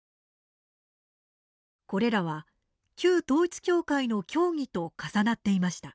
これらは、旧統一教会の教義と重なっていました。